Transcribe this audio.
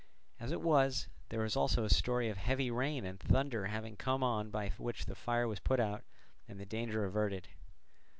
As it was, there is also a story of heavy rain and thunder having come on by which the fire was put out and the danger averted.